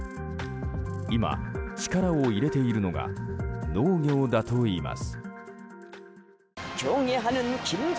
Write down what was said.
今、力を入れているのが農業だといいます。